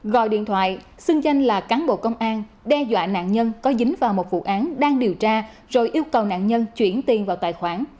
gọi điện thoại xưng danh là cán bộ công an đe dọa nạn nhân có dính vào một vụ án đang điều tra rồi yêu cầu nạn nhân chuyển tiền vào tài khoản